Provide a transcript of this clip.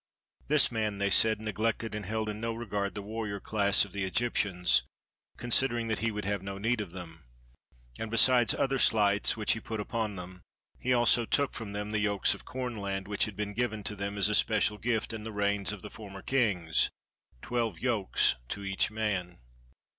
This man, they said, neglected and held in no regard the warrior class of the Egyptians, considering that he would have no need of them; and besides other slights which he put upon them, he also took from them the yokes of corn land which had been given to them as a special gift in the reigns of the former kings, twelve yokes to each man.